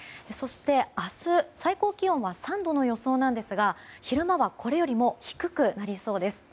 そして、明日最高気温は３度の予想なんですが昼間はこれよりも低くなりそうです。